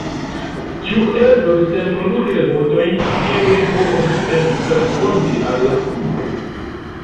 Ĉu eblus enkonduki robotojn, kiuj povus ekrespondi al la homoj?